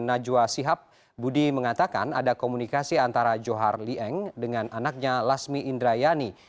najwa sihab budi mengatakan ada komunikasi antara johar lee eng dengan anaknya lasmi indrayani